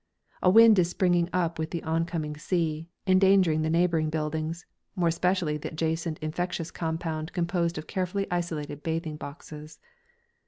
A wind is springing up with the oncoming sea, endangering the neighbouring buildings, more especially the adjacent infectious compound composed of carefully isolated bathing boxes.